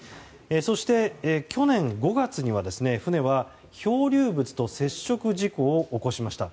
そして、去年５月には船は漂流物と接触事故を起こしました。